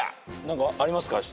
何かありますか？